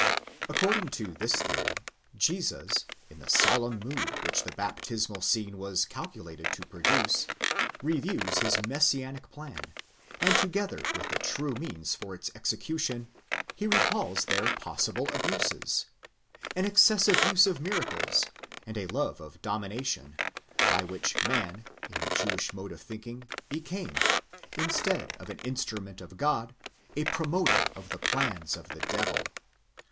According to this theory, Jesus, in the solemn mood which the baptismal scene was calculated to produce, reviews his messianic plan, and together with the true means for its execution, he recalls their possible abuses ; an excessive use of miracles and a love of domination, by which man, in the Jewish mode of thinking, became, instead of an instru ment of God, a promoter of the plans of the devil.